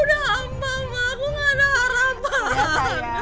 mama aku gak ada harapan